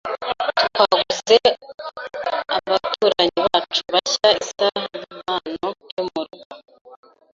Twaguze abaturanyi bacu bashya isaha nkimpano yo murugo.